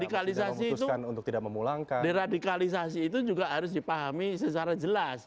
kalau deradikalisasi itu juga harus dipahami sesama